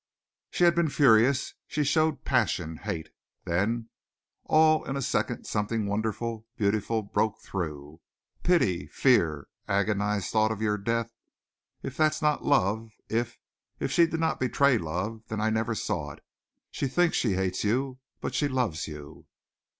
"She had been furious. She showed passion hate. Then all in a second something wonderful, beautiful broke through. Pity, fear, agonized thought of your death! If that's not love, if if she did not betray love, then I never saw it. She thinks she hates you. But she loves you."